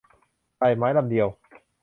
ไต่ไม้ลำเดียว